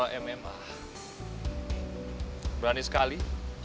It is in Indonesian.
aku kemau pertama kali